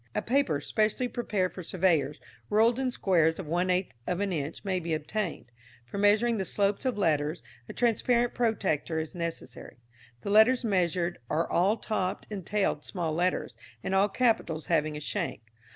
A paper specially prepared for surveyors, ruled in squares of one eighth of an inch may be obtained. For measuring the slopes of letters a transparent protractor is necessary. The letters measured are all topped and tailed small letters, and all capitals having a shank.